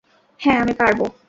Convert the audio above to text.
হ্যাঁ, আমি পারব।